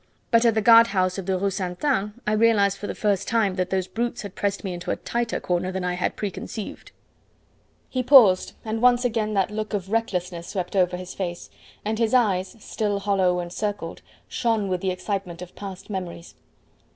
But at the guard house of the Rue Ste. Anne I realised for the first time that those brutes had pressed me into a tighter corner than I had pre conceived." He paused, and once again that look of recklessness swept over his face, and his eyes still hollow and circled shone with the excitement of past memories.